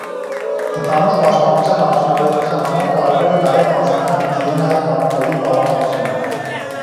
Ընդհանուր պաշտպանության արդյունավետության համար կարևոր է նաև անձնական հիգիենայի կանոնների պահպանությունը։